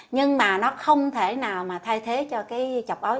nhưng mà nó không thể nào mà thay thế cho cái chọc ấu